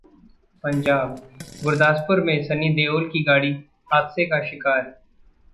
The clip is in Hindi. पंजाब: गुरदासपुर में सनी देओल की गाड़ी हादसे का शिकार